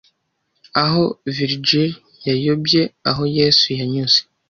aho virgil yayobye aho yesu yanyuze